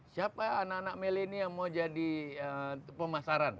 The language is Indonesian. siapa anak anak milenial yang mau jadi pemasaran